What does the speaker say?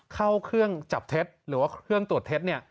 เข้าเครื่องจับเท็จหรือว่าเครื่องตรวจเท็จเนี่ย